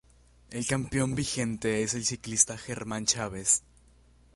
El campeón vigente es el ciclista Germán Chaves.